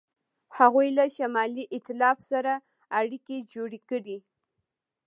هغوی له شمالي ایتلاف سره اړیکې جوړې کړې.